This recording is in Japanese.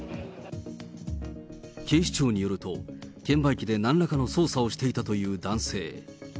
警視庁によると、券売機でなんらかの捜査をしていたという男性。